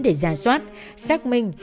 để giả soát xác minh